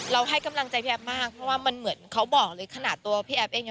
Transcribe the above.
ให้กำลังใจพี่แอฟมากเพราะว่ามันเหมือนเขาบอกเลยขนาดตัวพี่แอฟเอง